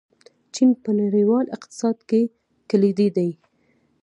چین په نړیوال اقتصاد کې کلیدي دی.